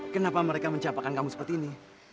kenapa mereka mencapaikan kamu seperti ini